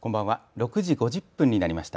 ６時５０分になりました。